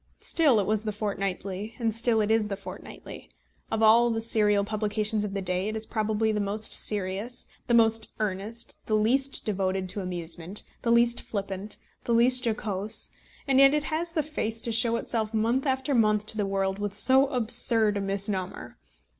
Still it was The Fortnightly, and still it is The Fortnightly. Of all the serial publications of the day, it probably is the most serious, the most earnest, the least devoted to amusement, the least flippant, the least jocose, and yet it has the face to show itself month after month to the world, with so absurd a misnomer!